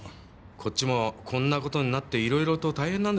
こっちもこんな事になっていろいろと大変なんですよ。